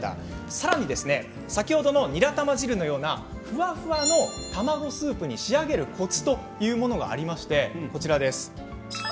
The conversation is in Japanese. さらに、先ほどのにら玉汁のようなふわふわの卵スープに仕上げるコツというのがありましてこちらです。